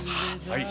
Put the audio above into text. はい。